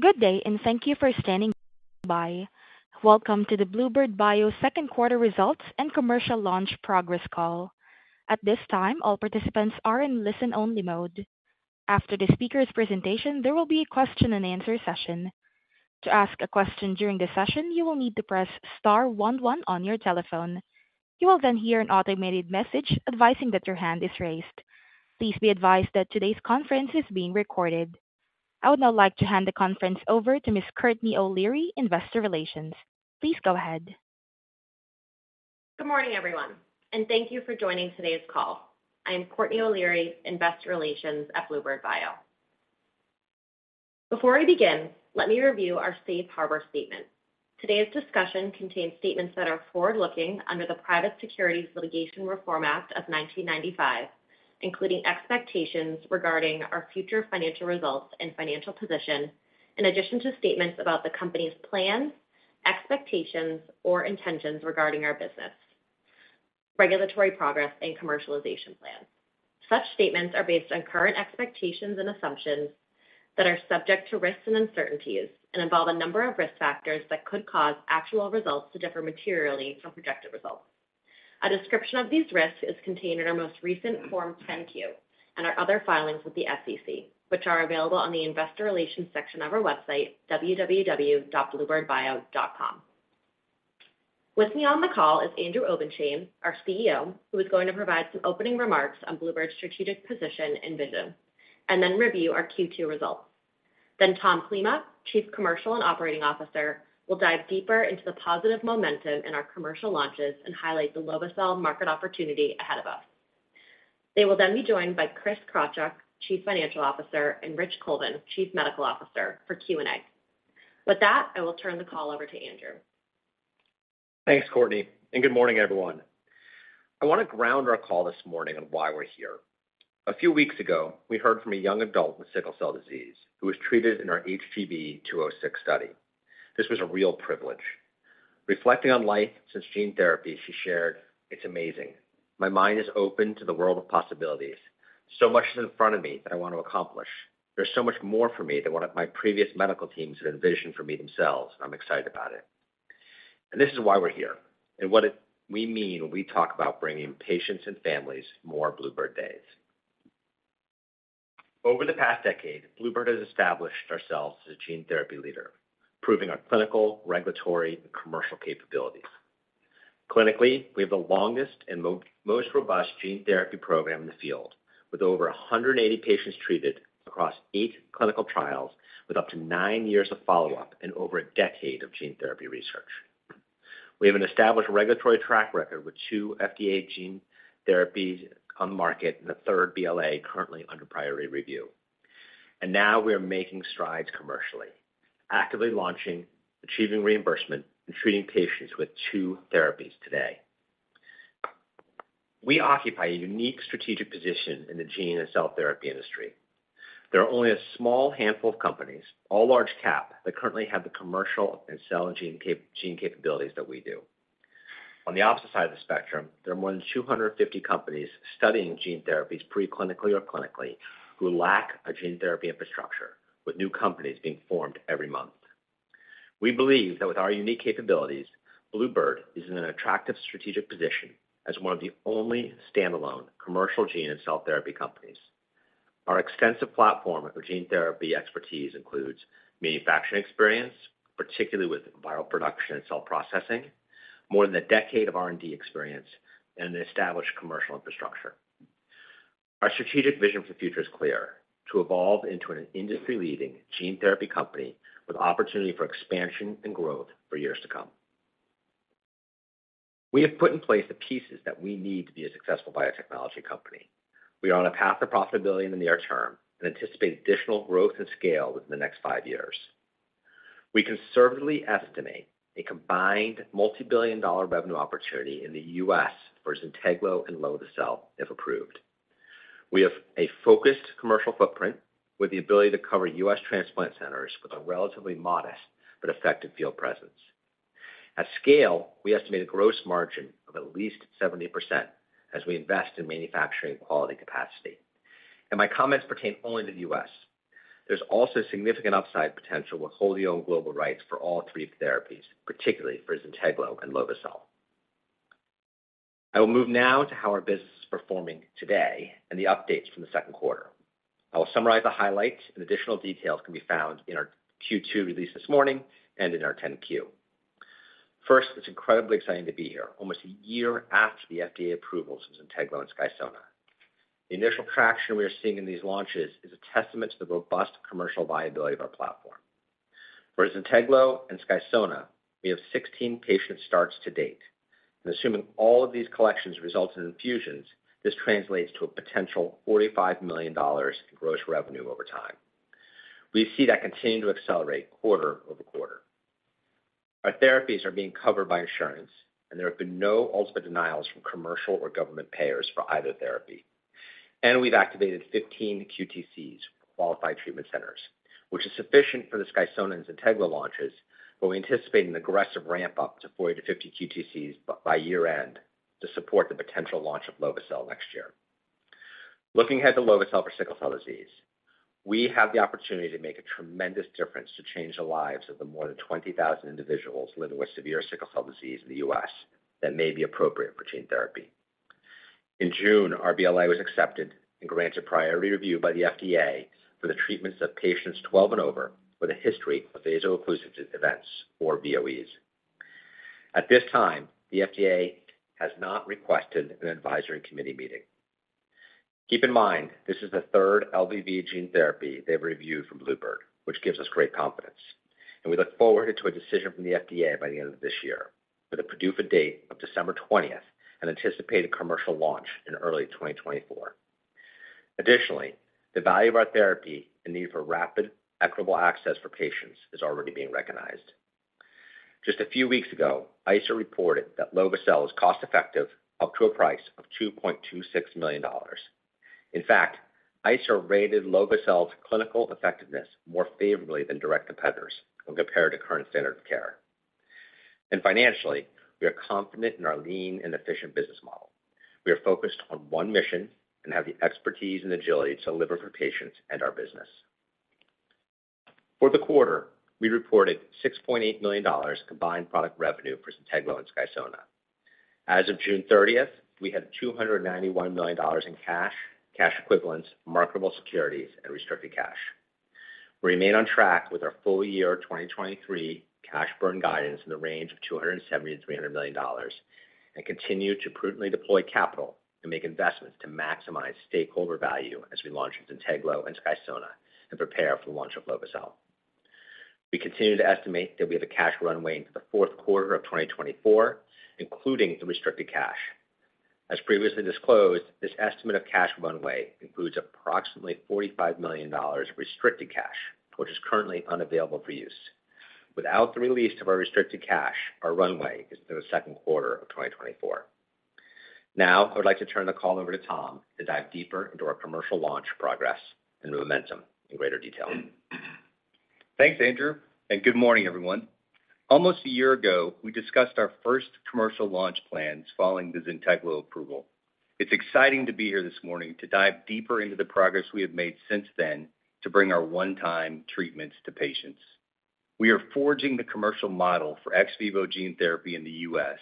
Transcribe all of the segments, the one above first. Good day, and thank you for standing by. Welcome to the bluebird bio 2nd Quarter Results and Commercial Launch Progress Call. At this time, all participants are in listen-only mode. After the speaker's presentation, there will be a question-and-answer session. To ask a question during the session, you will need to press star 1 1 on your telephone. You will then hear an automated message advising that your hand is raised. Please be advised that today's conference is being recorded. I would now like to hand the conference over to Ms. Courtney O'Leary, Investor Relations. Please go ahead. Good morning, everyone, and thank you for joining today's call. I am Courtney O'Leary, Investor Relations at bluebird bio. Before I begin, let me review our safe harbor statement. Today's discussion contains statements that are forward-looking under the Private Securities Litigation Reform Act of 1995, including expectations regarding our future financial results and financial position, in addition to statements about the company's plans, expectations, or intentions regarding our business, regulatory progress, and commercialization plans. Such statements are based on current expectations and assumptions that are subject to risks and uncertainties and involve a number of risk factors that could cause actual results to differ materially from projected results. A description of these risks is contained in our most recent Form 10-Q and our other filings with the SEC, which are available on the Investor Relations section of our website, www.bluebirdbio.com. With me on the call is Andrew Obenshain, our CEO, who is going to provide some opening remarks on bluebird's strategic position and vision, and then review our Q2 results. Tom Klima, Chief Commercial and Operating Officer, will dive deeper into the positive momentum in our commercial launches and highlight the lovo-cel market opportunity ahead of us. They will then be joined by Chris Krajcik, Chief Financial Officer, and Richard Colvin, Chief Medical Officer, for Q&A. With that, I will turn the call over to Andrew. Thanks, Courtney. Good morning, everyone. I want to ground our call this morning on why we're here. A few weeks ago, we heard from a young adult with sickle cell disease who was treated in our HGB-206 study. This was a real privilege. Reflecting on life since gene therapy, she shared, "It's amazing. My mind is open to the world of possibilities. So much is in front of me that I want to accomplish. There's so much more for me than what my previous medical teams had envisioned for me themselves, and I'm excited about it." This is why we're here, and what it we mean when we talk about bringing patients and families more bluebird days. Over the past decade, bluebird has established ourselves as a gene therapy leader, proving our clinical, regulatory, and commercial capabilities. Clinically, we have the longest and most robust gene therapy program in the field, with over 180 patients treated across 8 clinical trials, with up to 9 years of follow-up and over a decade of gene therapy research. We have an established regulatory track record with 2 FDA gene therapies on the market and a third BLA currently under priority review. Now we are making strides commercially, actively launching, achieving reimbursement, and treating patients with 2 therapies today. We occupy a unique strategic position in the gene and cell therapy industry. There are only a small handful of companies, all large cap, that currently have the commercial and cell and gene, gene capabilities that we do. On the opposite side of the spectrum, there are more than 250 companies studying gene therapies preclinically or clinically, who lack a gene therapy infrastructure, with new companies being formed every month. We believe that with our unique capabilities, bluebird bio is in an attractive strategic position as one of the only standalone commercial gene and cell therapy companies. Our extensive platform of gene therapy expertise includes manufacturing experience, particularly with viral production and cell processing, more than a decade of R&D experience, and an established commercial infrastructure. Our strategic vision for the future is clear: to evolve into an industry-leading gene therapy company with opportunity for expansion and growth for years to come. We have put in place the pieces that we need to be a successful biotechnology company. We are on a path to profitability in the near term and anticipate additional growth and scale within the next 5 years. We conservatively estimate a combined multibillion-dollar revenue opportunity in the U.S. for Zynteglo and lovo-cel, if approved. We have a focused commercial footprint with the ability to cover U.S. transplant centers with a relatively modest but effective field presence. At scale, we estimate a gross margin of at least 70% as we invest in manufacturing quality capacity. My comments pertain only to the U.S. There's also significant upside potential with holding our global rights for all three therapies, particularly for Zynteglo and lovo-cel. I will move now to how our business is performing today and the updates from the 2Q. I will summarize the highlights, and additional details can be found in our Q2 release this morning and in our 10-Q. First, it's incredibly exciting to be here, almost a year after the FDA approval since Zynteglo and Skysona. The initial traction we are seeing in these launches is a testament to the robust commercial viability of our platform. For Zynteglo and Skysona, we have 16 patient starts to date. Assuming all of these collections result in infusions, this translates to a potential $45 million in gross revenue over time. We see that continuing to accelerate quarter-over-quarter. Our therapies are being covered by insurance, and there have been no ultimate denials from commercial or government payers for either therapy. We've activated 15 QTCs, Qualified Treatment Centers, which is sufficient for the Skysona and Zynteglo launches, but we anticipate an aggressive ramp-up to 40-50 QTCs by year-end to support the potential launch of lovo-cel next year.... Looking ahead to lovo-cel for sickle cell disease, we have the opportunity to make a tremendous difference to change the lives of the more than 20,000 individuals living with severe sickle cell disease in the U.S. that may be appropriate for gene therapy. In June, our BLA was accepted and granted priority review by the FDA for the treatments of patients 12 and over with a history of vaso-occlusive events, or VOEs. At this time, the FDA has not requested an advisory committee meeting. Keep in mind, this is the third LVV gene therapy they've reviewed from Bluebird, which gives us great confidence, and we look forward to a decision from the FDA by the end of this year, with a PDUFA date of December twentieth, and anticipate a commercial launch in early 2024. Additionally, the value of our therapy and need for rapid, equitable access for patients is already being recognized. Just a few weeks ago, ICER reported that lovo-cel is cost-effective, up to a price of $2.26 million. In fact, ICER rated lovo-cel's clinical effectiveness more favorably than direct competitors when compared to current standard of care. Financially, we are confident in our lean and efficient business model. We are focused on one mission and have the expertise and agility to deliver for patients and our business. For the quarter, we reported $6.8 million combined product revenue for Zynteglo and Skysona. As of June 30th, we had $291 million in cash, cash equivalents, marketable securities, and restricted cash. We remain on track with our full year 2023 cash burn guidance in the range of $270 million-$300 million, and continue to prudently deploy capital and make investments to maximize stakeholder value as we launch Zynteglo and Skysona and prepare for the launch of lovo-cel. We continue to estimate that we have a cash runway into the fourth quarter of 2024, including the restricted cash. As previously disclosed, this estimate of cash runway includes approximately $45 million of restricted cash, which is currently unavailable for use. Without the release of our restricted cash, our runway is through the second quarter of 2024. Now, I would like to turn the call over to Tom to dive deeper into our commercial launch progress and momentum in greater detail. Thanks, Andrew. Good morning, everyone. Almost a year ago, we discussed our first commercial launch plans following the Zynteglo approval. It's exciting to be here this morning to dive deeper into the progress we have made since then to bring our one-time treatments to patients. We are forging the commercial model for ex vivo gene therapy in the US,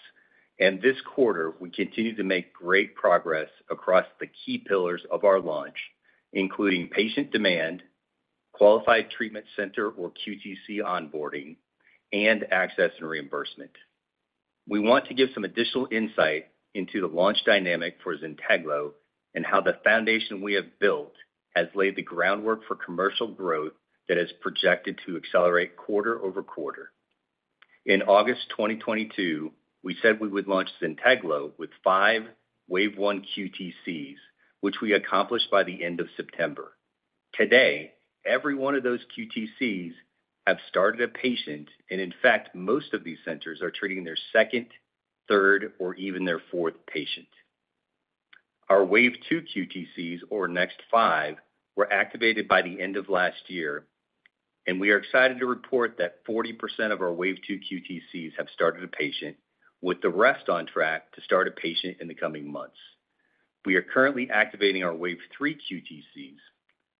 and this quarter, we continue to make great progress across the key pillars of our launch, including patient demand, qualified treatment center or QTC onboarding, and access and reimbursement. We want to give some additional insight into the launch dynamic for Zynteglo and how the foundation we have built has laid the groundwork for commercial growth that is projected to accelerate quarter-over-quarter. In August 2022, we said we would launch Zynteglo with 5 Wave One QTCs, which we accomplished by the end of September. Today, every one of those QTCs have started a patient. In fact, most of these centers are treating their second, third, or even their fourth patient. Our Wave Two QTCs, or next five, were activated by the end of last year. We are excited to report that 40% of our Wave Two QTCs have started a patient, with the rest on track to start a patient in the coming months. We are currently activating our Wave Three QTCs.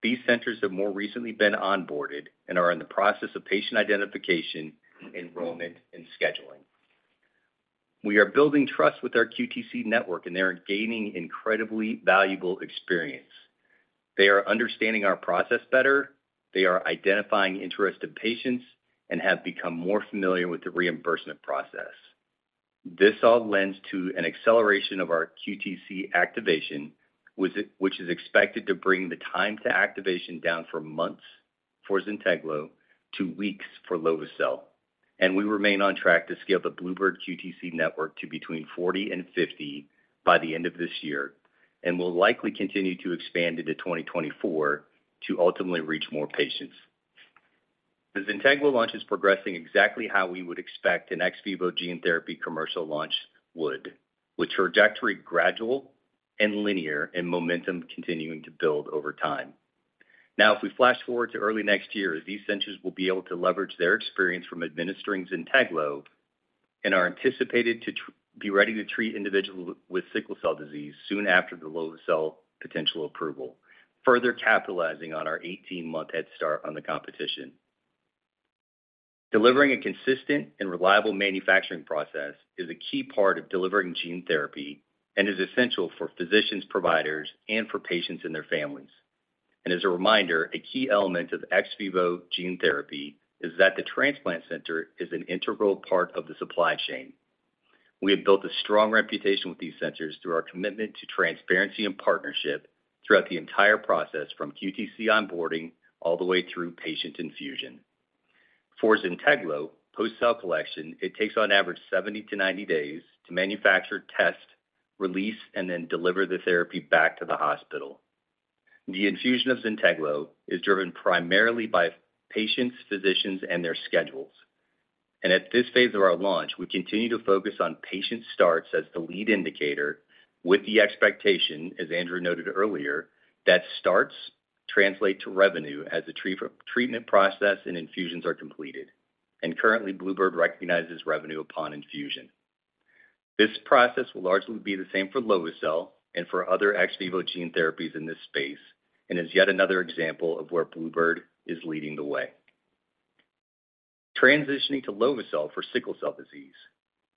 These centers have more recently been onboarded and are in the process of patient identification, enrollment, and scheduling. We are building trust with our QTC network. They are gaining incredibly valuable experience. They are understanding our process better, they are identifying interested patients, and have become more familiar with the reimbursement process. This all lends to an acceleration of our QTC activation, which is expected to bring the time to activation down for months for Zynteglo to weeks for lovo-cel, and we remain on track to scale the bluebird QTC network to between 40 and 50 by the end of this year, and will likely continue to expand into 2024 to ultimately reach more patients. The Zynteglo launch is progressing exactly how we would expect an ex vivo gene therapy commercial launch would, with trajectory gradual and linear, and momentum continuing to build over time. Now, if we flash forward to early next year, these centers will be able to leverage their experience from administering Zynteglo and are anticipated to be ready to treat individuals with sickle cell disease soon after the lovo-cel potential approval, further capitalizing on our 18-month head start on the competition. Delivering a consistent and reliable manufacturing process is a key part of delivering gene therapy and is essential for physicians, providers, and for patients and their families. As a reminder, a key element of ex vivo gene therapy is that the transplant center is an integral part of the supply chain. We have built a strong reputation with these centers through our commitment to transparency and partnership throughout the entire process, from QTC onboarding all the way through patient infusion. For Zynteglo, post-sale collection, it takes on average 70 to 90 days to manufacture, test, release, and then deliver the therapy back to the hospital. The infusion of Zynteglo is driven primarily by patients, physicians, and their schedules. At this phase of our launch, we continue to focus on patient starts as the lead indicator, with the expectation, as Andrew noted earlier, that starts translate to revenue as the treatment process and infusions are completed. Currently, bluebird bio recognizes revenue upon infusion. This process will largely be the same for lovo-cel and for other ex vivo gene therapy in this space, and is yet another example of where bluebird bio is leading the way. Transitioning to lovo-cel for sickle cell disease.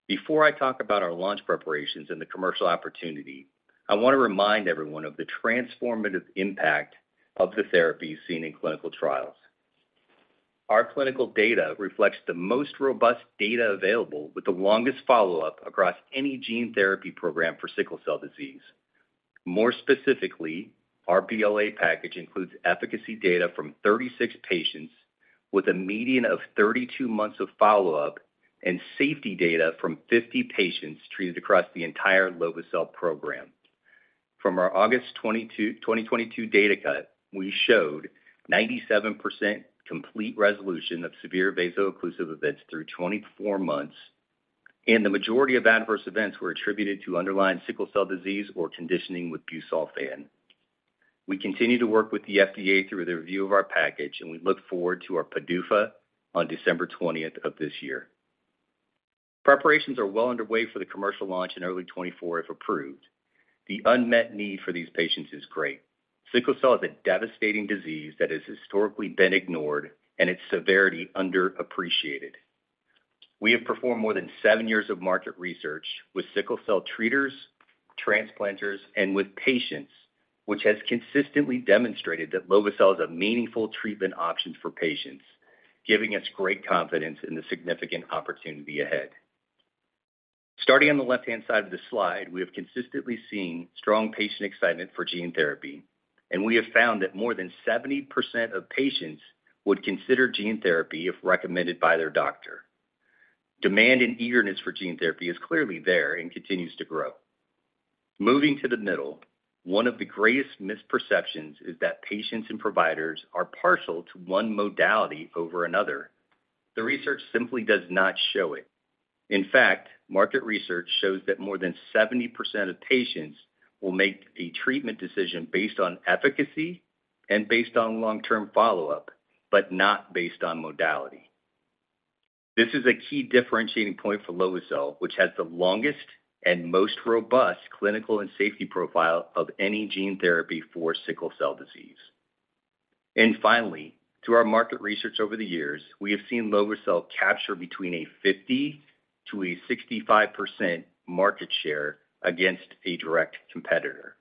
Before I talk about our launch preparations and the commercial opportunity, I want to remind everyone of the transformative impact of the therapies seen in clinical trials. Our clinical data reflects the most robust data available, with the longest follow-up across any gene therapy program for sickle cell disease. More specifically, our BLA package includes efficacy data from 36 patients with a median of 32 months of follow-up, and safety data from 50 patients treated across the entire lovo-cel program. From our August 22, 2022 data cut, we showed 97% complete resolution of severe vaso-occlusive events through 24 months, and the majority of adverse events were attributed to underlying sickle cell disease or conditioning with busulfan. We continue to work with the FDA through their review of our package, and we look forward to our PDUFA on December 20th of this year. Preparations are well underway for the commercial launch in early 2024, if approved. The unmet need for these patients is great. Sickle cell is a devastating disease that has historically been ignored and its severity underappreciated. We have performed more than seven years of market research with sickle cell treaters, transplanters, and with patients, which has consistently demonstrated that lovo-cel is a meaningful treatment option for patients, giving us great confidence in the significant opportunity ahead. Starting on the left-hand side of the slide, we have consistently seen strong patient excitement for gene therapy. We have found that more than 70% of patients would consider gene therapy if recommended by their doctor. Demand and eagerness for gene therapy is clearly there and continues to grow. Moving to the middle, one of the greatest misperceptions is that patients and providers are partial to one modality over another. The research simply does not show it. In fact, market research shows that more than 70% of patients will make a treatment decision based on efficacy and based on long-term follow-up, but not based on modality. This is a key differentiating point for lovo-cel, which has the longest and most robust clinical and safety profile of any gene therapy for sickle cell disease. Finally, through our market research over the years, we have seen lovo-cel capture between a 50%-65% market share against a direct competitor.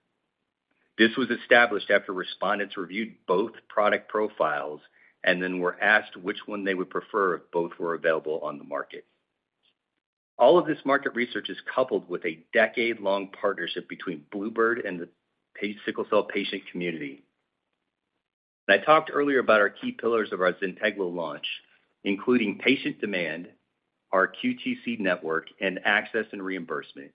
This was established after respondents reviewed both product profiles and then were asked which one they would prefer if both were available on the market. All of this market research is coupled with a decade-long partnership between bluebird bio and the sickle cell patient community. I talked earlier about our key pillars of our Zynteglo launch, including patient demand, our QTC network, and access and reimbursement.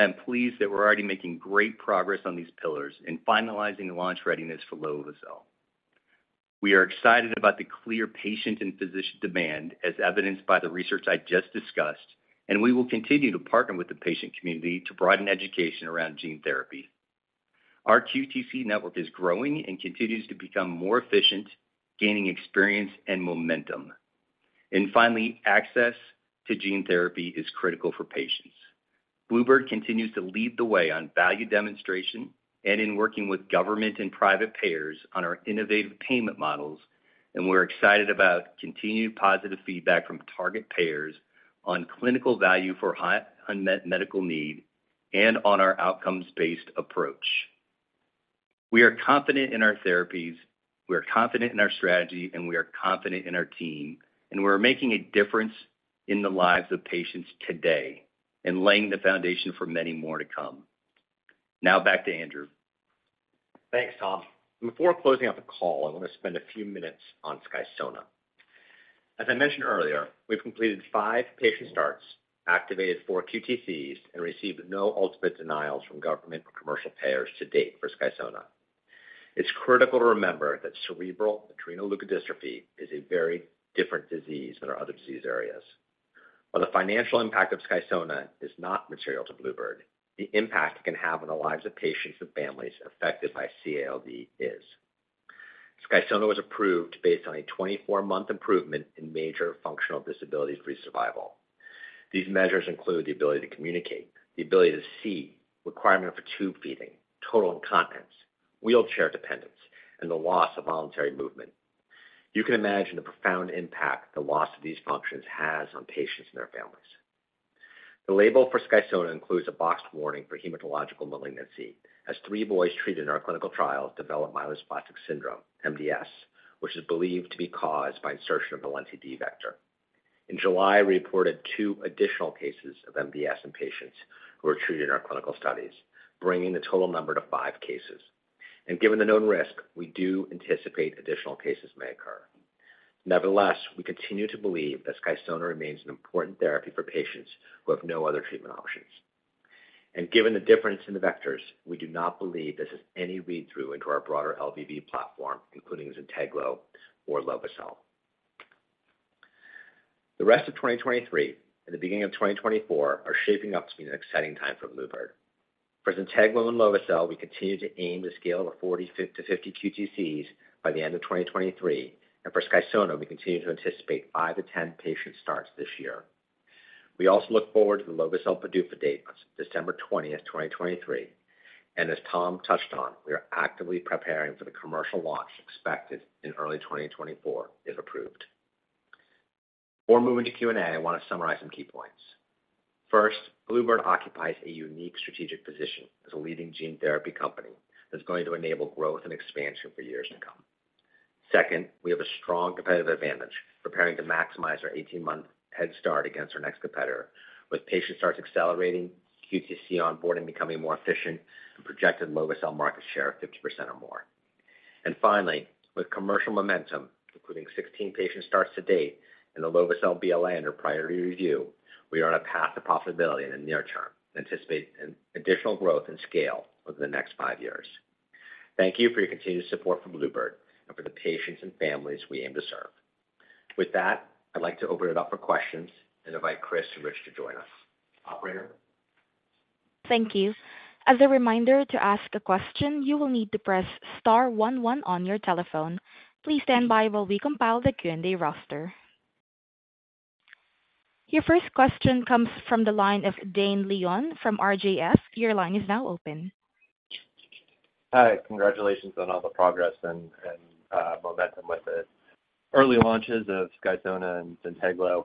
I'm pleased that we're already making great progress on these pillars and finalizing the launch readiness for lovo-cel. We are excited about the clear patient and physician demand, as evidenced by the research I just discussed, and we will continue to partner with the patient community to broaden education around gene therapy. Our QTC network is growing and continues to become more efficient, gaining experience and momentum. Finally, access to gene therapy is critical for patients. bluebird continues to lead the way on value demonstration and in working with government and private payers on our innovative payment models, and we're excited about continued positive feedback from target payers on clinical value for high unmet medical need and on our outcomes-based approach. We are confident in our therapies, we are confident in our strategy, and we are confident in our team, and we are making a difference in the lives of patients today and laying the foundation for many more to come. Now back to Andrew. Thanks, Tom. Before closing out the call, I want to spend a few minutes on Skysona. As I mentioned earlier, we've completed five patient starts, activated four QTCs, and received no ultimate denials from government or commercial payers to date for Skysona. It's critical to remember that cerebral adrenoleukodystrophy is a very different disease than our other disease areas. While the financial impact of Skysona is not material to Bluebird, the impact it can have on the lives of patients and families affected by CALD is. Skysona was approved based on a 24-month improvement in Major Functional Disability-free survival. These measures include the ability to communicate, the ability to see, requirement for tube feeding, total incontinence, wheelchair dependence, and the loss of voluntary movement. You can imagine the profound impact the loss of these functions has on patients and their families. The label for Skysona includes a boxed warning for hematological malignancy, as three boys treated in our clinical trials developed myelodysplastic syndrome, MDS, which is believed to be caused by insertion of the Lenti-D vector. In July, we reported two additional cases of MDS in patients who were treated in our clinical studies, bringing the total number to five cases. Given the known risk, we do anticipate additional cases may occur. Nevertheless, we continue to believe that Skysona remains an important therapy for patients who have no other treatment options. Given the difference in the vectors, we do not believe this is any read-through into our broader LVV platform, including Zynteglo or lovo-cel. The rest of 2023 and the beginning of 2024 are shaping up to be an exciting time for bluebird. For Zynteglo and lovo-cel, we continue to aim to scale to 40-50 QTCs by the end of 2023. For Skysona, we continue to anticipate 5-10 patient starts this year. We also look forward to the lovo-cel PDUFA date on December 20th, 2023. As Tom touched on, we are actively preparing for the commercial launch expected in early 2024, if approved. Before moving to Q&A, I want to summarize some key points. First, bluebird occupies a unique strategic position as a leading gene therapy company that's going to enable growth and expansion for years to come. Second, we have a strong competitive advantage, preparing to maximize our 18-month head start against our next competitor, with patient starts accelerating, QTC onboarding becoming more efficient, and projected lovo-cel market share of 50% or more. Finally, with commercial momentum, including 16 patient starts to date and the lovo-cel BLA under priority review, we are on a path to profitability in the near term, anticipate an additional growth and scale over the next 5 years. Thank you for your continued support from Bluebird and for the patients and families we aim to serve. With that, I'd like to open it up for questions and invite Chris and Rich to join us. Operator? Thank you. As a reminder, to ask a question, you will need to press star one one on your telephone. Please stand by while we compile the Q&A roster. Your first question comes from the line of Dane Leone from RJS. Your line is now open. Hi, congratulations on all the progress and, and momentum with the early launches of Skysona and Zynteglo.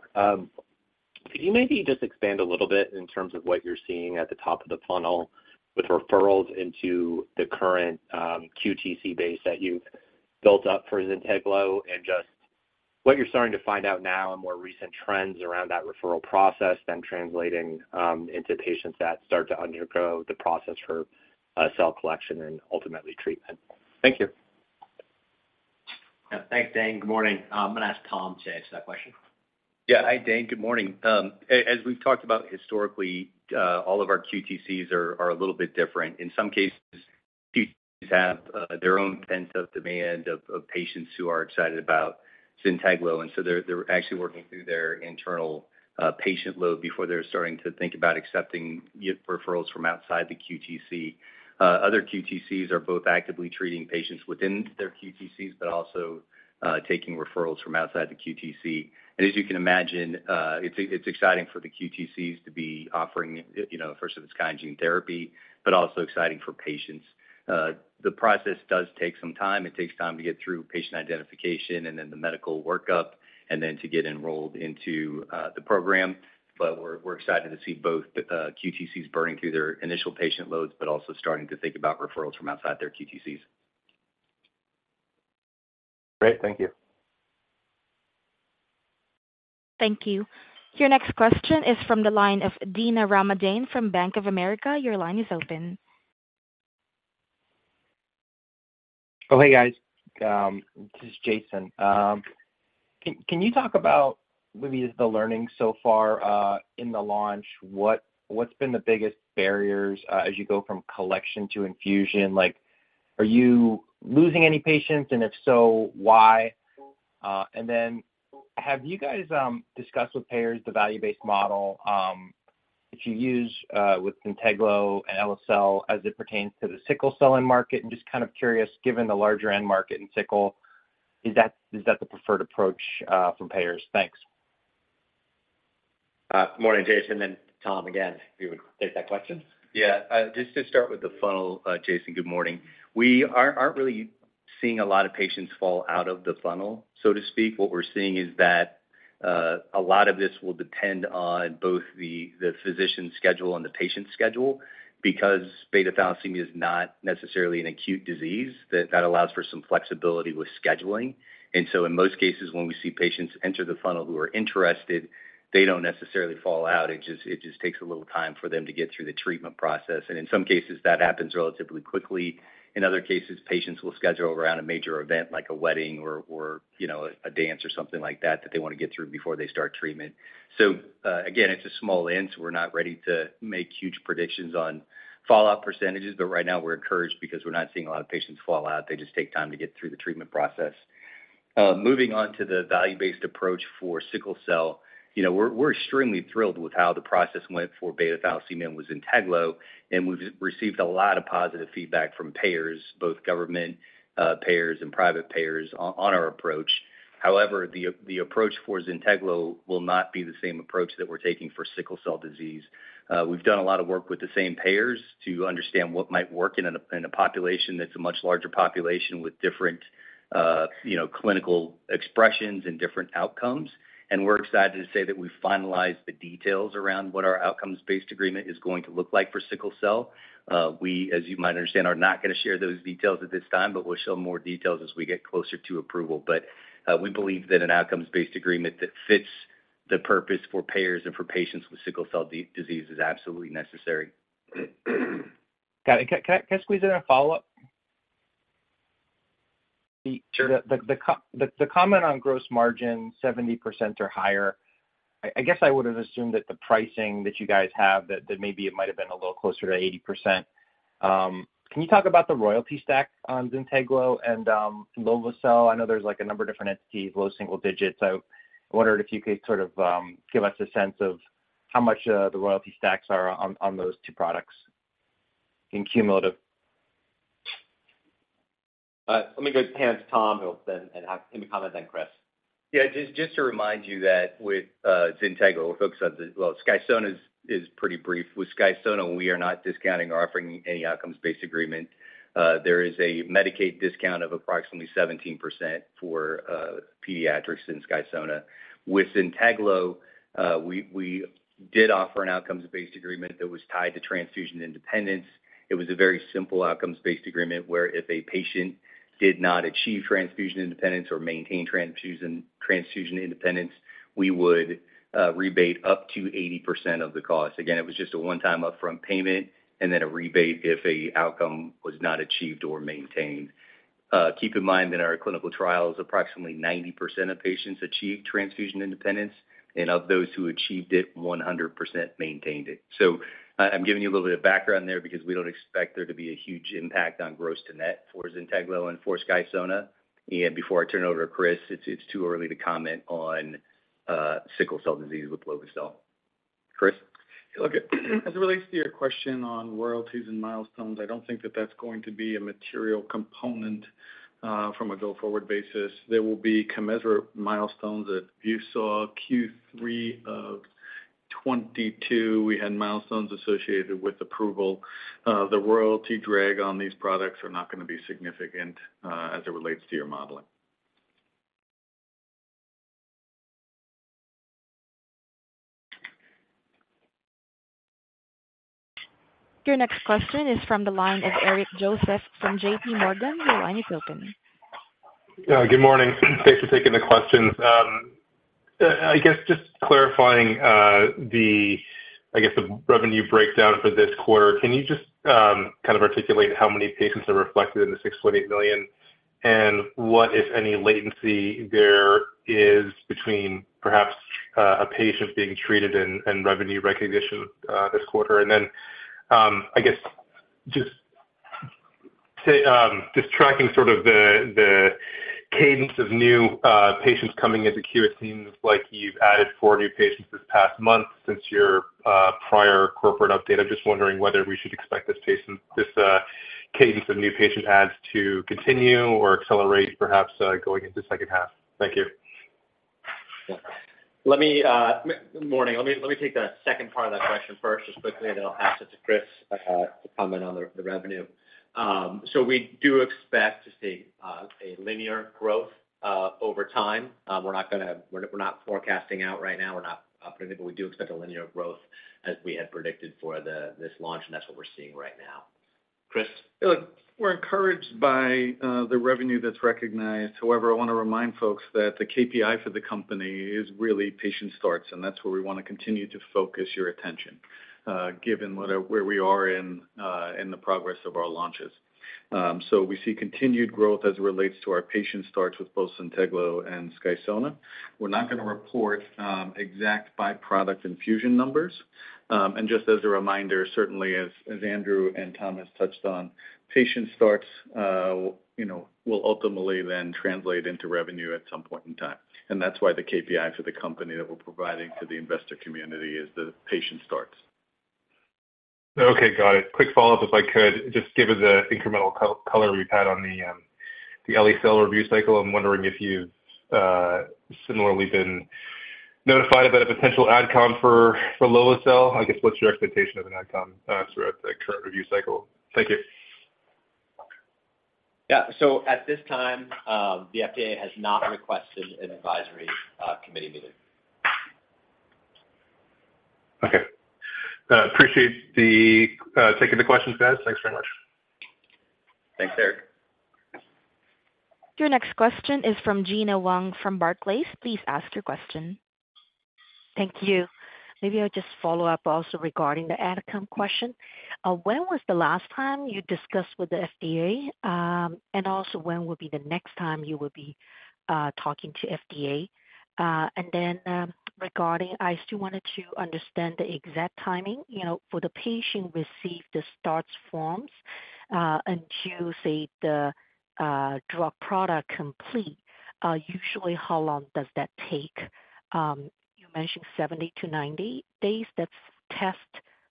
Could you maybe just expand a little bit in terms of what you're seeing at the top of the funnel with referrals into the current QTC base that you've built up for Zynteglo, and just what you're starting to find out now and more recent trends around that referral process, then translating into patients that start to undergo the process for cell collection and ultimately treatment? Thank you. Yeah. Thanks, Dane. Good morning. I'm going to ask Tom to answer that question. Yeah. Hi, Dane. Good morning. As we've talked about historically, all of our QTCs are a little bit different. In some cases, QTCs have their own pent-up demand of patients who are excited about Zynteglo, and so they're actually working through their internal patient load before they're starting to think about accepting referrals from outside the QTC. Other QTCs are both actively treating patients within their QTCs, but also taking referrals from outside the QTC. As you can imagine, it's exciting for the QTCs to be offering, you know, first-of-its-kind gene therapy, but also exciting for patients. The process does take some time. It takes time to get through patient identification and then the medical workup, and then to get enrolled into the program. We're, we're excited to see both, QTCs burning through their initial patient loads, but also starting to think about referrals from outside their QTCs. Great. Thank you. Thank you. Your next question is from the line of Jason Gerberry from Bank of America. Your line is open. Oh, hey, guys. This is Jason. Can, can you talk about what is the learning so far in the launch? What, what's been the biggest barriers as you go from collection to infusion? Like, are you losing any patients, and if so, why? Have you guys discussed with payers the value-based model that you use with Zynteglo and lovo-cel as it pertains to the sickle cell end market? I'm just kind of curious, given the larger end market in sickle, is that, is that the preferred approach from payers? Thanks. Good morning, Jason, and Tom, again, if you would take that question. Yeah. Just to start with the funnel, Jason, good morning. We aren't, aren't really seeing a lot of patients fall out of the funnel, so to speak. What we're seeing is that, a lot of this will depend on both the, the physician's schedule and the patient's schedule, because beta thalassemia is not necessarily an acute disease. That, that allows for some flexibility with scheduling. So in most cases, when we see patients enter the funnel who are interested, they don't necessarily fall out. It just, it just takes a little time for them to get through the treatment process. In some cases, that happens relatively quickly. In other cases, patients will schedule around a major event like a wedding or, or, you know, a dance or something like that, that they want to get through before they start treatment. Again, it's a small end, so we're not ready to make huge predictions on fallout %s, but right now we're encouraged because we're not seeing a lot of patients fall out. They just take time to get through the treatment process. Moving on to the value-based approach for sickle cell, you know, we're, we're extremely thrilled with how the process went for beta-thalassemia with Zynteglo, and we've received a lot of positive feedback from payers, both government payers and private payers on, on our approach. The, the approach for Zynteglo will not be the same approach that we're taking for sickle cell disease. We've done a lot of work with the same payers to understand what might work in a, in a population that's a much larger population with different, you know, clinical expressions and different outcomes. We're excited to say that we've finalized the details around what our outcomes-based agreement is going to look like for sickle cell. We, as you might understand, are not going to share those details at this time, but we'll share more details as we get closer to approval. We believe that an outcomes-based agreement that fits the purpose for payers and for patients with sickle cell disease is absolutely necessary. Got it. Can, can I, can I squeeze in a follow-up? Sure. The comment on gross margin, 70% or higher, I, I guess I would have assumed that the pricing that you guys have, that, that maybe it might have been a little closer to 80%. Can you talk about the royalty stack on Zynteglo and lovo-cel? I know there's, like, a number of different entities, low single digits. I wondered if you could sort of give us a sense of how much the royalty stacks are on, on those two products in cumulative? Let me go hand to Tom, who will then, and have him comment then Chris. Yeah, just, just to remind you that with Zynteglo, folks, well, Skysona is, is pretty brief. With Skysona, we are not discounting or offering any outcomes-based agreement. There is a Medicaid discount of approximately 17% for pediatrics in Skysona. With Zynteglo, we, we did offer an outcomes-based agreement that was tied to transfusion independence. It was a very simple outcomes-based agreement, where if a patient did not achieve transfusion independence or maintain transfusion, transfusion independence, we would rebate up to 80% of the cost. Again, it was just a one-time upfront payment and then a rebate if a outcome was not achieved or maintained. Keep in mind that our Clinical Trial is approximately 90% of patients achieve transfusion independence, and of those who achieved it, 100% maintained it. I, I'm giving you a little bit of background there because we don't expect there to be a huge impact on gross-to-net for Zynteglo and for Skysona. Before I turn it over to Chris, it's, it's too early to comment on sickle cell disease with lovo-cel. Chris? Look, as it relates to your question on royalties and milestones, I don't think that that's going to be a material component from a go-forward basis. There will be commensurate milestones that you saw Q3 of 2022. We had milestones associated with approval. The royalty drag on these products are not gonna be significant as it relates to your modeling. Your next question is from the line of Eric Joseph from JPMorgan. Your line is open. Good morning. Thanks for taking the questions. I guess just clarifying, the, I guess, the revenue breakdown for this quarter. Can you just kind of articulate how many patients are reflected in the $6.8 million? What, if any, latency there is between perhaps a patient being treated and revenue recognition this quarter? I guess just say, just tracking sort of the cadence of new patients coming into cure, it seems like you've added four new patients this past month since your prior corporate update. I'm just wondering whether we should expect this cadence of new patient adds to continue or accelerate, perhaps, going into second half. Thank you. Let me, good morning. Let me, let me take the second part of that question first, just quickly, and then I'll pass it to Chris to comment on the revenue. We do expect to see a linear growth over time. We're not gonna, we're not forecasting out right now. We're not operating, but we do expect a linear growth as we had predicted for this launch, and that's what we're seeing right now. Chris? Look, we're encouraged by the revenue that's recognized. However, I want to remind folks that the KPI for the company is really patient starts, and that's where we want to continue to focus your attention, given where, where we are in the progress of our launches. So we see continued growth as it relates to our patient starts with both ZYNTEGLO and Skysona. We're not gonna report exact by-product infusion numbers. Just as a reminder, certainly as Andrew and Tom has touched on, patient starts, you know, will ultimately then translate into revenue at some point in time. That's why the KPI for the company that we're providing to the investor community is the patient starts. Okay, got it. Quick follow-up, if I could. Just given the incremental co- color we've had on the, the LASL review cycle, I'm wondering if you've similarly been notified about a potential AdCom for, for lovo-cel. I guess, what's your expectation of an AdCom throughout the current review cycle? Thank you. Yeah. At this time, the FDA has not requested an advisory committee meeting. Okay. Appreciate the taking the questions, guys. Thanks very much. Thanks, Eric. Your next question is from Gina Wang from Barclays. Please ask your question. Thank you. Maybe I'll just follow up also regarding the AdCom question. When was the last time you discussed with the FDA? Also, when will be the next time you will be talking to FDA? Then, regarding, I still wanted to understand the exact timing, you know, for the patient received the starts forms, until, say, the drug product complete. Usually, how long does that take? You mentioned 70-90 days. That's test,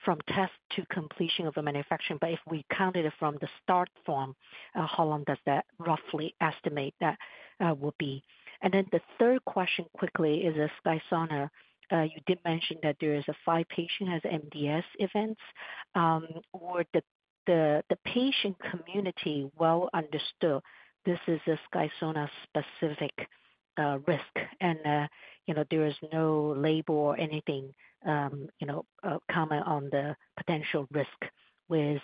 from test to completion of the manufacturing. If we counted it from the start form, how long does that roughly estimate that will be? Then the third question, quickly, is the Skysona. You did mention that there is a five patient has MDS events, or the, the, the patient community well understood this is a Skysona specific risk, and, you know, there is no label or anything, you know, comment on the potential risk with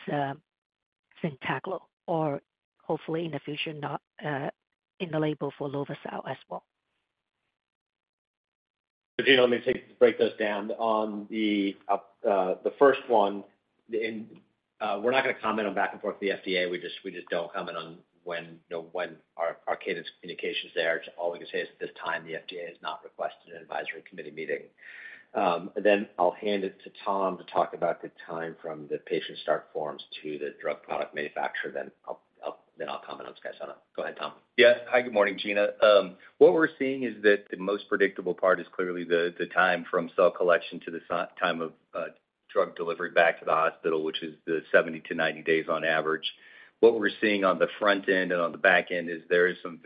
Zynteglo, or hopefully in the future, not in the label for lovo-cel as well. Gina, let me break those down. On the first one, in, we're not gonna comment on back and forth the FDA. We just, we just don't comment on when, you know, when our, our cadence communication is there. All we can say is, at this time, the FDA has not requested an advisory committee meeting. I'll hand it to Tom to talk about the time from the patient start forms to the drug product manufacturer, then I'll comment on Skysona. Go ahead, Tom. Yes. Hi, good morning, Gina. What we're seeing is that the most predictable part is clearly the time from cell collection to the time of drug delivery back to the hospital, which is the 70-90 days on average. What we're seeing on the front end and on the back end is there is some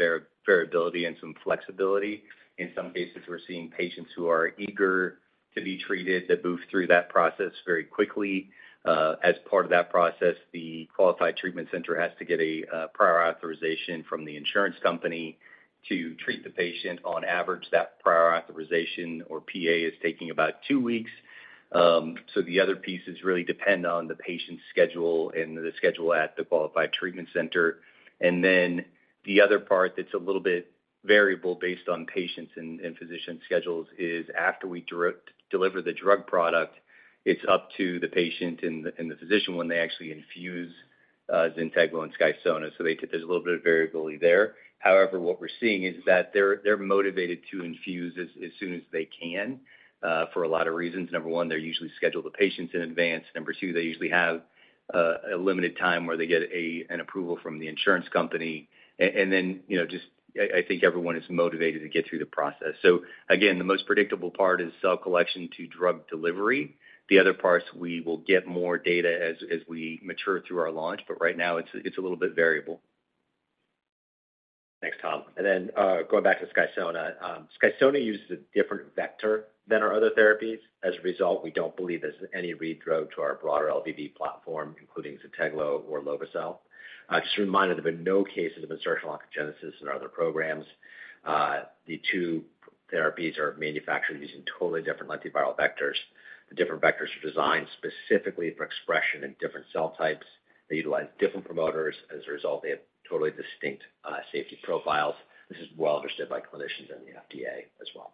variability and some flexibility. In some cases, we're seeing patients who are eager to be treated, that move through that process very quickly. As part of that process, the Qualified Treatment Center has to get a prior authorization from the insurance company to treat the patient. On average, that prior authorization, or PA, is taking about 2 weeks. The other pieces really depend on the patient's schedule and the schedule at the Qualified Treatment Center. The other part that's a little bit variable based on patients and, and physician schedules is after we deliver the drug product, it's up to the patient and the, and the physician when they actually infuse Zynteglo and Skysona. There's a little bit of variability there. However, what we're seeing is that they're, they're motivated to infuse as, as soon as they can for a lot of reasons. Number one, they usually schedule the patients in advance. Number two, they usually have a limited time where they get an approval from the insurance company. Then, you know, just, I, I think everyone is motivated to get through the process. Again, the most predictable part is cell collection to drug delivery. The other parts, we will get more data as, as we mature through our launch, but right now, it's, it's a little bit variable. Thanks, Tom. Going back to Skysona. Skysona uses a different vector than our other therapies. As a result, we don't believe there's any read-through to our broader LVV platform, including Zynteglo or lovo-cel. Just a reminder, there have been no cases of insertional oncogenesis in our other programs. The two therapies are manufactured using totally different lentiviral vectors. The different vectors are designed specifically for expression in different cell types. They utilize different promoters. As a result, they have totally distinct safety profiles. This is well understood by clinicians and the FDA as well.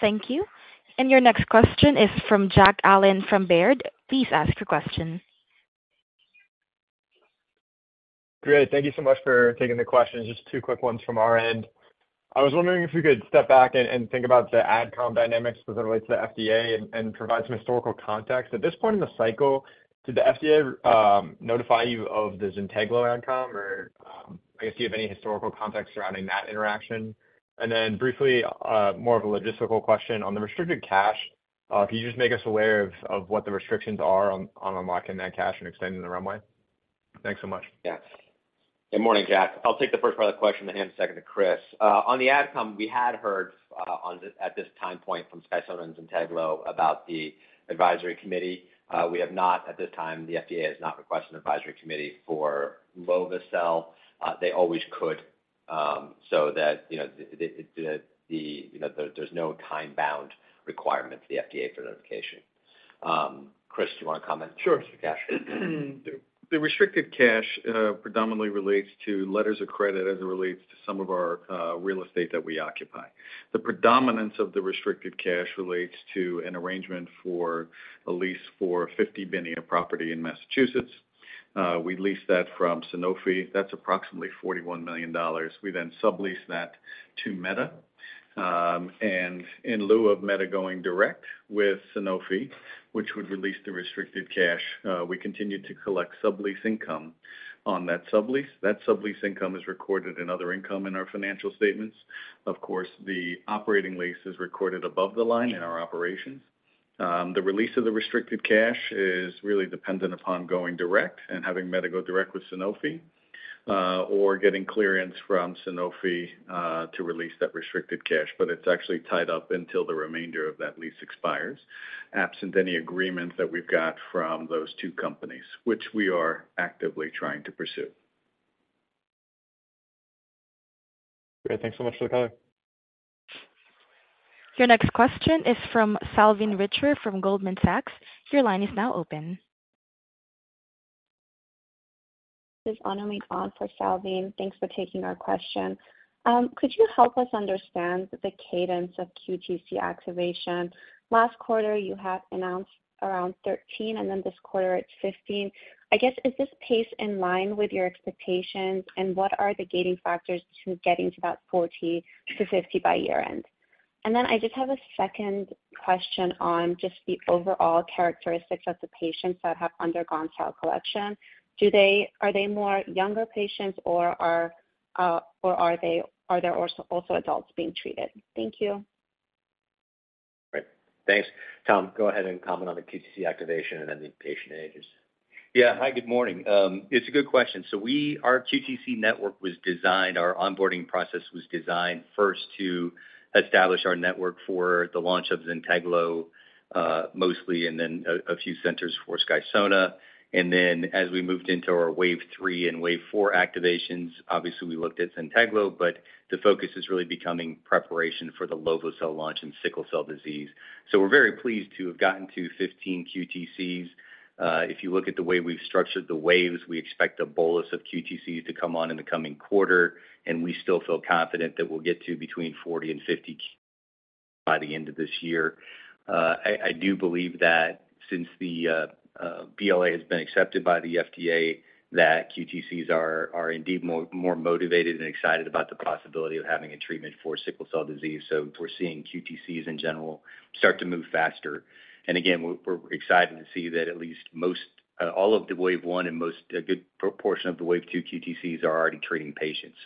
Thank you. Your next question is from Jack Allen from Baird. Please ask your question. Great. Thank you so much for taking the questions. Just two quick ones from our end. I was wondering if you could step back and, and think about the AdCom dynamics as it relates to the FDA and, and provide some historical context. At this point in the cycle, did the FDA, notify you of the Zynteglo AdCom, or, I guess, do you have any historical context surrounding that interaction? Briefly, more of a logistical question. On the restricted cash, can you just make us aware of, of what the restrictions are on, on unlocking that cash and extending the runway? Thanks so much. Yes. Good morning, Jack. I'll take the first part of the question and hand the second to Chris. On the AdCom, we had heard at this time point from Skysona and Zynteglo about the advisory committee. We have not, at this time, the FDA has not requested an advisory committee for lovo-cel. They always could, so that, you know, the, the, the, you know, there, there's no time-bound requirement for the FDA for notification. Chris, do you want to comment- Sure. On the cash? The restricted cash, predominantly relates to letters of credit as it relates to some of our real estate that we occupy. The predominance of the restricted cash relates to an arrangement for a lease for 50 Binney of property in Massachusetts. We leased that from Sanofi. That's approximately $41 million. We subleased that to Meda. In lieu of Meda going direct with Sanofi, which would release the restricted cash, we continued to collect sublease income on that sublease. That sublease income is recorded in other income in our financial statements. Of course, the operating lease is recorded above the line in our operations. The release of the restricted cash is really dependent upon going direct and having Meda go direct with Sanofi, or getting clearance from Sanofi, to release that restricted cash. It's actually tied up until the remainder of that lease expires, absent any agreement that we've got from those two companies, which we are actively trying to pursue. Great. Thanks so much for the color. Your next question is from Salveen Richter, from Goldman Sachs. Your line is now open. This is Aman on for Salveen. Thanks for taking our question. Could you help us understand the cadence of QTC activation? Last quarter, you had announced around 13, and then this quarter it's 15. I guess, is this pace in line with your expectations, and what are the gating factors to getting to that 40-50 by year-end? I just have a second question on just the overall characteristics of the patients that have undergone cell collection. Are they more younger patients, or are there also adults being treated? Thank you. Great. Thanks. Tom, go ahead and comment on the QTC activation and then the patient ages. Yeah. Hi, good morning. It's a good question. Our QTC network was designed, our onboarding process was designed first to establish our network for the launch of Zynteglo, mostly, and then a few centers for Skysona. Then as we moved into our Wave Three and Wave Four activations, obviously we looked at Zynteglo, but the focus is really becoming preparation for the lovo-cel launch and sickle cell disease. We're very pleased to have gotten to 15 QTCs. If you look at the way we've structured the waves, we expect a bolus of QTCs to come on in the coming quarter, and we still feel confident that we'll get to between 40 and 50 by the end of this year. I, I do believe that since the BLA has been accepted by the FDA, that QTCs are indeed more, more motivated and excited about the possibility of having a treatment for sickle cell disease. We're seeing QTCs in general start to move faster. Again, we're excited to see that at least most, all of the Wave One and most, a good portion of the Wave Two QTCs are already treating patients.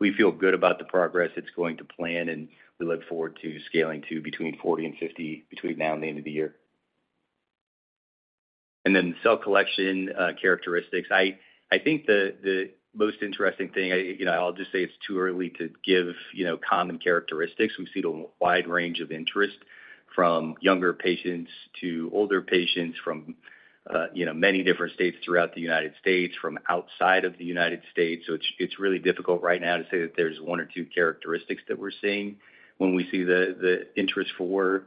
We feel good about the progress. It's going to plan, and we look forward to scaling to between 40 and 50, between now and the end of the year. Cell collection characteristics. I, I think the, the most interesting thing, I, you know, I'll just say it's too early to give, you know, common characteristics. We've seen a wide range of interest from younger patients to older patients, from, you know, many different states throughout the United States, from outside of the United States. It's, it's really difficult right now to say that there's one or two characteristics that we're seeing when we see the, the interest for,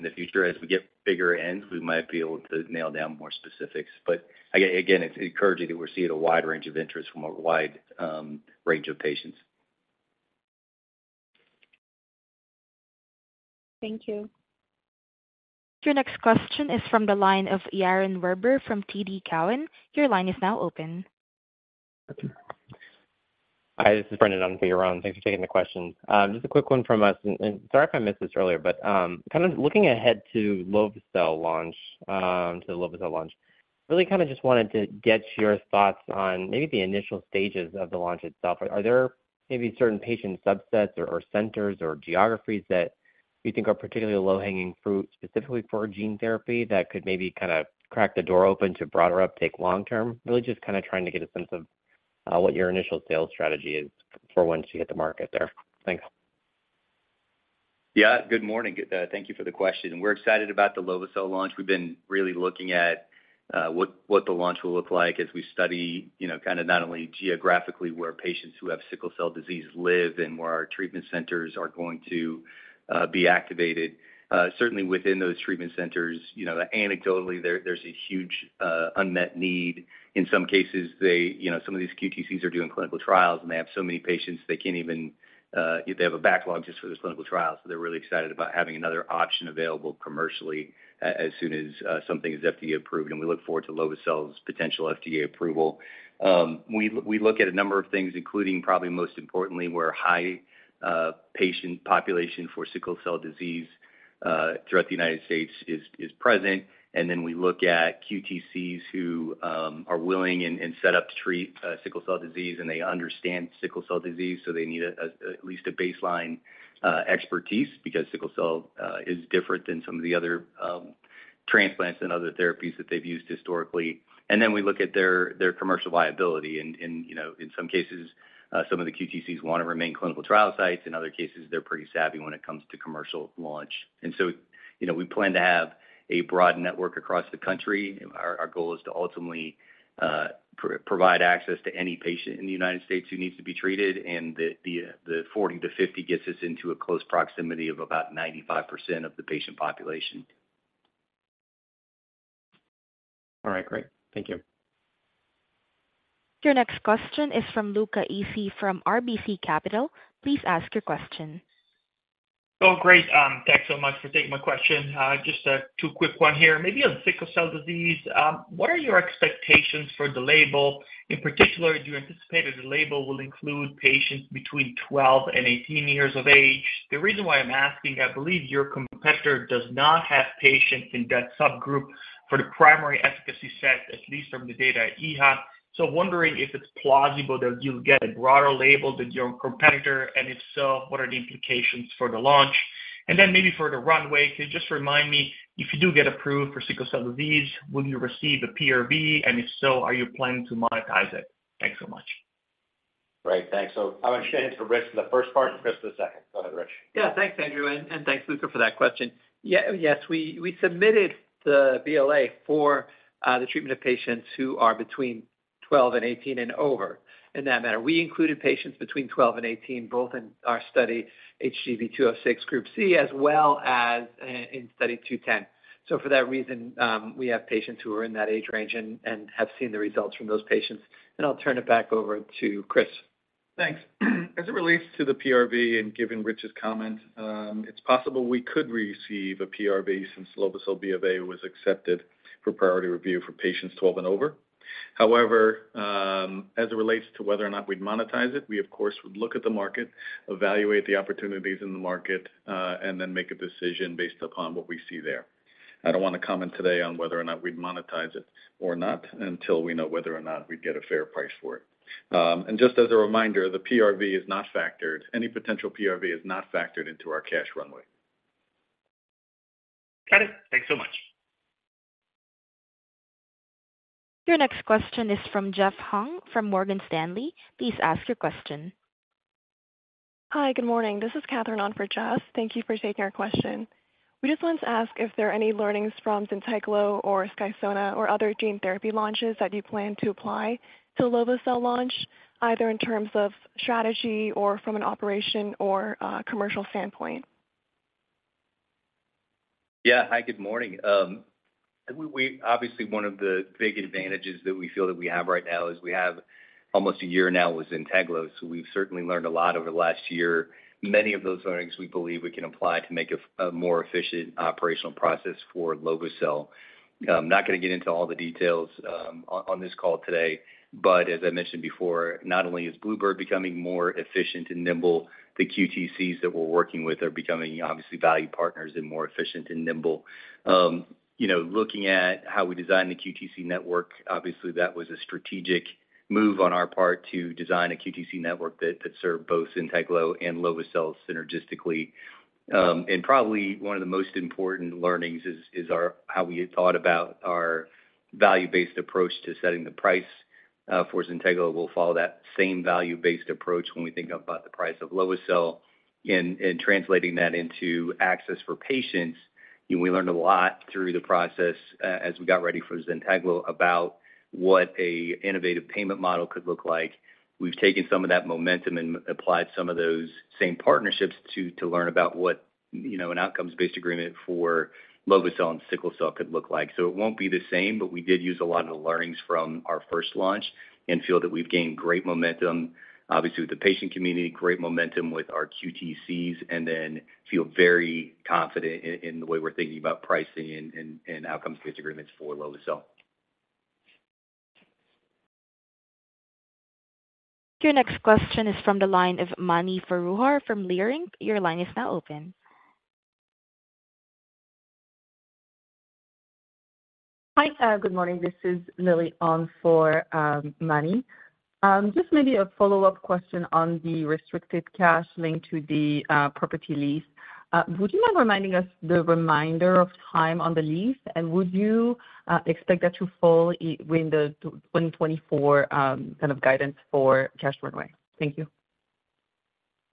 in the future. As we get bigger ends, we might be able to nail down more specifics. Again, it's encouraging that we're seeing a wide range of interest from a wide range of patients. Thank you. Your next question is from the line of Yaron Werber from TD Cowen. Your line is now open. Hi, this is Brendan on for Yaron. Thanks for taking the question. Just a quick one from us, and sorry if I missed this earlier, but, kind of looking ahead to lovo-cel launch, to the lovo-cel launch, really kind of just wanted to get your thoughts on maybe the initial stages of the launch itself. Are there maybe certain patient subsets or, or centers or geographies that you think are particularly low-hanging fruit, specifically for gene therapy, that could maybe kind of crack the door open to broader uptake long term? Really just kind of trying to get a sense of, what your initial sales strategy is for once you hit the market there. Thanks. Good morning. Thank you for the question. We're excited about the lovo-cel launch. We've been really looking at what, what the launch will look like as we study, you know, kind of not only geographically, where patients who have sickle cell disease live and where our treatment centers are going to be activated. Certainly within those treatment centers, you know, anecdotally, there, there's a huge unmet need. In some cases, they, you know, some of these QTCs are doing clinical trials, and they have so many patients, they can't even, they have a backlog just for those clinical trials. They're really excited about having another option available commercially as soon as something is FDA approved, and we look forward to lovo-cel's potential FDA approval. We, we look at a number of things, including probably most importantly, where high patient population for sickle cell disease throughout the United States is present. We look at QTCs who are willing and set up to treat sickle cell disease, and they understand sickle cell disease, so they need at least a baseline expertise, because sickle cell is different than some of the other transplants and other therapies that they've used historically. We look at their commercial viability. And, you know, in some cases, some of the QTCs want to remain clinical trial sites. In other cases, they're pretty savvy when it comes to commercial launch. You know, we plan to have a broad network across the country. Our, our goal is to ultimately, pro- provide access to any patient in the United States who needs to be treated, and the, the, the 40-50 gets us into a close proximity of about 95% of the patient population. All right, great. Thank you. Your next question is from Luca Issi from RBC Capital. Please ask your question. Oh, great. Thanks so much for taking my question. Just a 2 quick one here. Maybe on sickle cell disease, what are your expectations for the label? In particular, do you anticipate that the label will include patients between 12 and 18 years of age? The reason why I'm asking, I believe your competitor does not have patients in that subgroup for the primary efficacy set, at least from the data I have. Wondering if it's plausible that you'll get a broader label than your competitor, and if so, what are the implications for the launch? Then maybe for the runway, can you just remind me, if you do get approved for sickle cell disease, will you receive a PRV, and if so, are you planning to monetize it? Thanks so much. Great, thanks. I'm going to hand it to Rich for the first part and Chris for the second. Go ahead, Rich. Yeah. Thanks, Andrew, and thanks, Luca, for that question. Yes, we submitted the BLA for the treatment of patients who are between 12 and 18 and over in that matter. We included patients between 12 and 18, both in our study, HGB-206 Group C, as well as in study 210. For that reason, we have patients who are in that age range and have seen the results from those patients. I'll turn it back over to Chris. Thanks. As it relates to the PRV and given Rich's comment, it's possible we could receive a PRV since lovo-cel BLA was accepted for priority review for patients 12 and over. As it relates to whether or not we'd monetize it, we of course, would look at the market, evaluate the opportunities in the market, and then make a decision based upon what we see there. I don't want to comment today on whether or not we'd monetize it or not, until we know whether or not we'd get a fair price for it. Just as a reminder, the PRV is not factored. Any potential PRV is not factored into our cash runway. Got it. Thanks so much. Your next question is from Jeff Hung from Morgan Stanley. Please ask your question. Hi, good morning. This is Katherine on for Jeff. Thank you for taking our question. We just wanted to ask if there are any learnings from Zynteglo or Skysona or other gene therapy launches that you plan to apply to lovo-cel launch, either in terms of strategy or from an operation or commercial standpoint? Yeah. Hi, good morning. We obviously, one of the big advantages that we feel that we have right now is we have almost a year now with Zynteglo, so we've certainly learned a lot over the last year. Many of those learnings, we believe we can apply to make a more efficient operational process for lovo-cel. I'm not gonna get into all the details on, on this call today, but as I mentioned before, not only is bluebird becoming more efficient and nimble, the QTCs that we're working with are becoming obviously value partners and more efficient and nimble. You know, looking at how we design the QTC network, obviously that was a strategic move on our part to design a QTC network that, that served both Zynteglo and lovo-cel synergistically. Probably one of the most important learnings is, is our how we thought about our value-based approach to setting the price. For Zynteglo, we'll follow that same value-based approach when we think about the price of lovo-cel and, and translating that into access for patients. You know, we learned a lot through the process as we got ready for Zynteglo, about what a innovative payment model could look like. We've taken some of that momentum and applied some of those same partnerships to, to learn about what, you know, an outcomes-based agreement for lovo-cel and sickle cell could look like. It won't be the same, but we did use a lot of the learnings from our first launch and feel that we've gained great momentum, obviously, with the patient community, great momentum with our QTCs, and then feel very confident in, in the way we're thinking about pricing and, and, and outcomes-based agreements for lovo-cel. Your next question is from the line of Mani Foroohar from Leerink. Your line is now open. Hi, good morning. This is Lily on for Mani. Just maybe a follow-up question on the restricted cash link to the property lease. Would you mind reminding us the reminder of time on the lease, and would you expect that to fall within the 2024 kind of guidance for cash runway? Thank you.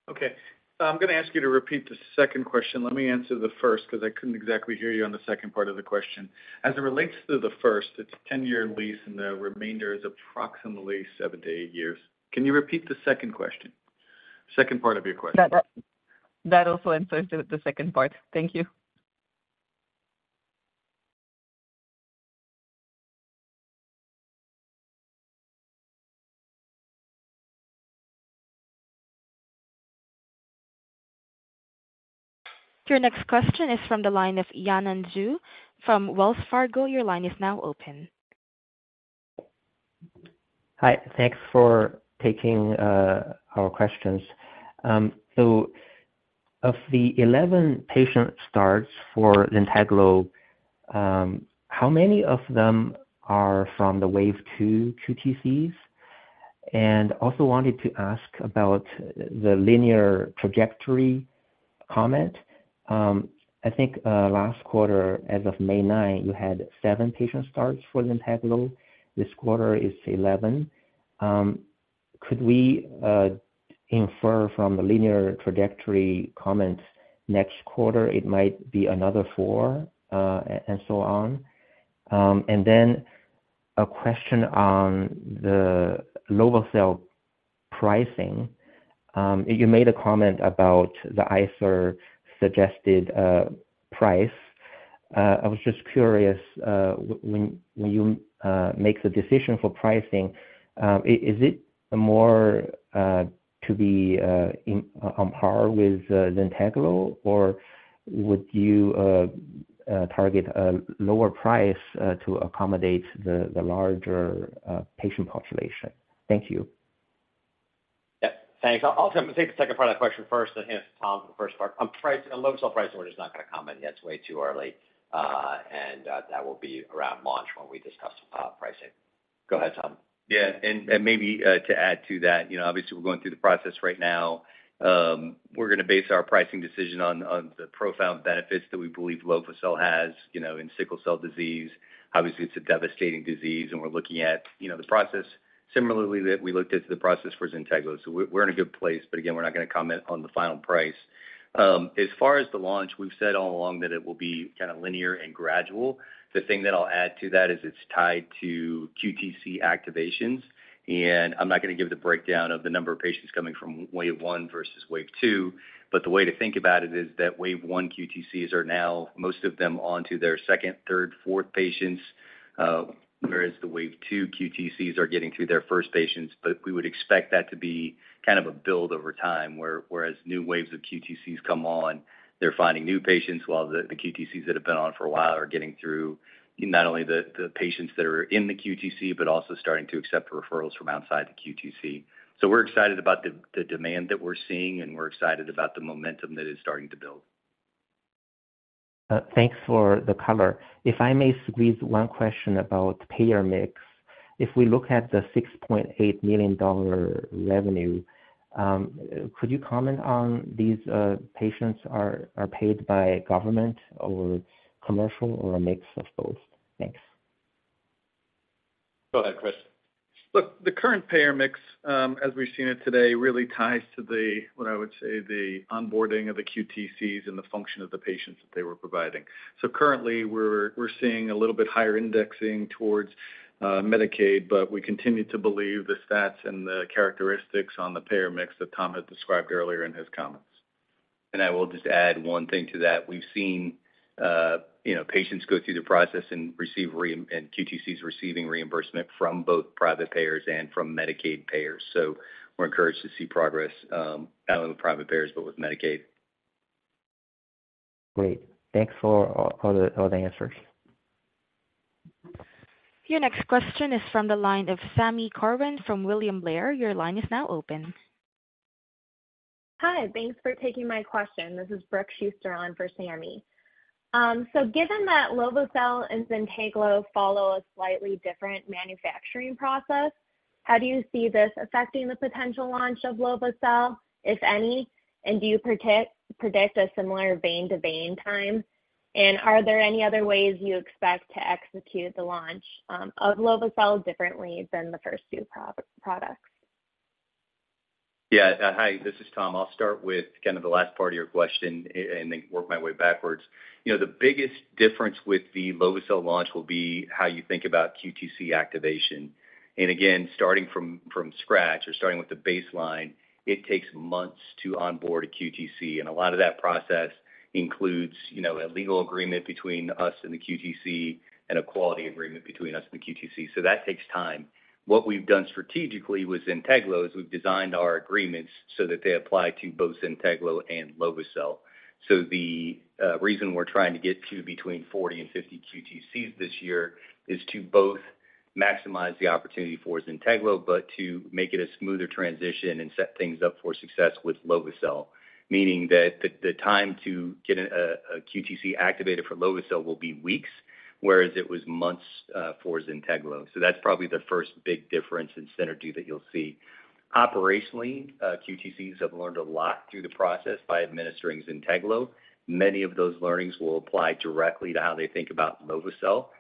Okay. I'm gonna ask you to repeat the second question. Let me answer the first, because I couldn't exactly hear you on the second part of the question. As it relates to the first, it's a 10-year lease, and the remainder is approximately seven to eight years. Can you repeat the second question? Second part of your question. That, that also answers the, the second part. Thank you. Your next question is from the line of Yanan Zhu from Wells Fargo. Your line is now open. Hi, thanks for taking our questions. Of the 11 patient starts for Zynteglo, how many of them are from the Wave Two QTCs? Also wanted to ask about the linear trajectory comment. I think, last quarter, as of May 9th, you had 7 patient starts for Zynteglo. This quarter is 11. Could we infer from the linear trajectory comments, next quarter it might be another 4, and so on? A question on the lovo-cel pricing. You made a comment about the ICER suggested price. I was just curious, when, when you make the decision for pricing, is it more to be in, on par with Zynteglo, or would you target a lower price to accommodate the larger patient population? Thank you. Yep, thanks. I'll, I'll take the second part of that question first, then answer Tom for the first part. On price, on lovo-cel pricing, we're just not going to comment yet. It's way too early, and that will be around launch when we discuss pricing. Go ahead, Tom. Yeah, maybe to add to that, you know, obviously, we're going through the process right now. We're going to base our pricing decision on the profound benefits that we believe lovo-cel has, you know, in sickle cell disease. Obviously, it's a devastating disease, and we're looking at, you know, the process similarly, that we looked at the process for Zynteglo. We're, we're in a good place, but again, we're not going to comment on the final price. As far as the launch, we've said all along that it will be kind of linear and gradual. The thing that I'll add to that is it's tied to QTC activations, and I'm not going to give the breakdown of the number of patients coming from Wave One versus Wave Two. The way to think about it is that Wave One QTCs are now, most of them, on to their second, third, fourth patients, whereas the Wave Two QTCs are getting through their first patients. We would expect that to be kind of a build over time, whereas new waves of QTCs come on, they're finding new patients, while the QTCs that have been on for a while are getting through not only the patients that are in the QTC, but also starting to accept referrals from outside the QTC. We're excited about the demand that we're seeing, and we're excited about the momentum that is starting to build. Thanks for the color. If I may squeeze one question about payer mix. If we look at the $6.8 million revenue, could you comment on these, patients are, are paid by government or commercial or a mix of both? Thanks. Go ahead, Chris. Look, the current payer mix, as we've seen it today, really ties to the, what I would say, the onboarding of the QTCs and the function of the patients that they were providing. Currently, we're, we're seeing a little bit higher indexing towards Medicaid, but we continue to believe the stats and the characteristics on the payer mix that Tom had described earlier in his comments. I will just add one thing to that. We've seen, you know, patients go through the process and QTCs receiving reimbursement from both private payers and from Medicaid payers. We're encouraged to see progress, not only with private payers, but with Medicaid. Great. Thanks for all, all the, all the answers. Your next question is from the line of Sami Corwin from William Blair. Your line is now open. Hi, thanks for taking my question. This is Brooke Schuster on for Sami. Given that lovo-cel and Zynteglo follow a slightly different manufacturing process, how do you see this affecting the potential launch of lovo-cel, if any, and do you predict a similar vein-to-vein time? Are there any other ways you expect to execute the launch of lovo-cel differently than the first 2 products? Yeah. Hi, this is Tom. I'll start with kind of the last part of your question and then work my way backwards. You know, the biggest difference with the lovo-cel launch will be how you think about QTC activation. Again, starting from, from scratch or starting with the baseline, it takes months to onboard a QTC, and a lot of that process includes, you know, a legal agreement between us and the QTC and a quality agreement between us and the QTC. That takes time. What we've done strategically with Zynteglo is we've designed our agreements so that they apply to both Zynteglo and lovo-cel. The reason we're trying to get to between 40 and 50 QTCs this year is to both maximize the opportunity for Zynteglo, but to make it a smoother transition and set things up for success with lovo-cel. Meaning that the, the time to get a, a QTC activated for lovo-cel will be weeks, whereas it was months for Zynteglo. So that's probably the first big difference in synergy that you'll see. Operationally, QTCs have learned a lot through the process by administering Zynteglo. Many of those learnings will apply directly to how they think about lovo-cel,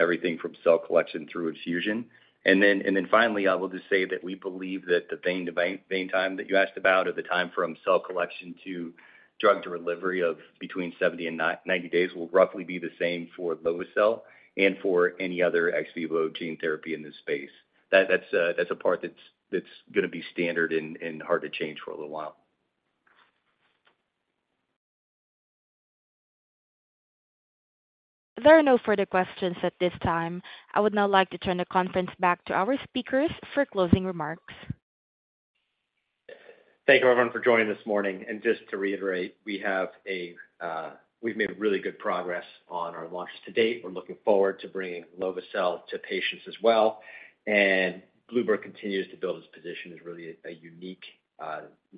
everything from cell collection through infusion. And then, and then finally, I will just say that we believe that the vein-to-vein, vein time that you asked about, or the time from cell collection to drug delivery of between 70 and 90 days, will roughly be the same for lovo-cel and for any other ex vivo gene therapy in this space. That's a, that's a part that's, that's gonna be standard and, and hard to change for a little while. There are no further questions at this time. I would now like to turn the conference back to our speakers for closing remarks. Thank you, everyone, for joining this morning. Just to reiterate, we have, we've made really good progress on our launches to date. We're looking forward to bringing lovo-cel to patients as well. bluebird continues to build its position as really a unique,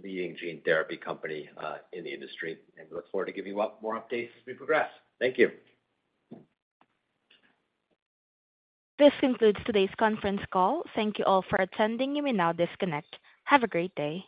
leading gene therapy company in the industry. We look forward to giving you more updates as we progress. Thank you. This concludes today's conference call. Thank you all for attending. You may now disconnect. Have a great day.